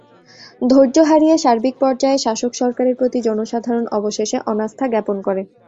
ধৈর্য হারিয়ে সার্বিক পর্যায়ে শাসক সরকারের প্রতি জনসাধারণ অবশেষে অনাস্থা জ্ঞাপন করে।